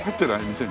店に。